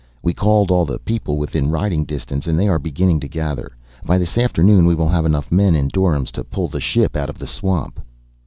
We called all the people within riding distance and they are beginning to gather. By this afternoon we will have enough men and doryms to pull the ship out of the swamp."